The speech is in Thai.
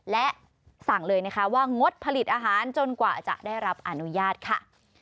และสั่งเลยนะคะว่างดผลิตอาหารจนกว่าจะได้รับอนุญาตค่ะ